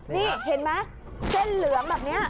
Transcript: นี่เห็นไหมเส้นเหลืองแบบนี้